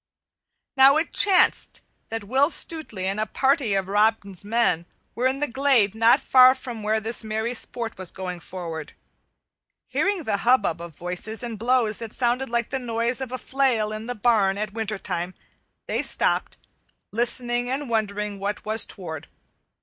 Now it chanced that Will Stutely and a party of Robin's men were in the glade not far from where this merry sport was going forward. Hearing the hubbub of voices, and blows that sounded like the noise of a flail in the barn in wintertime, they stopped, listening and wondering what was toward.